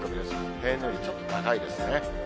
平年よりちょっと高いですね。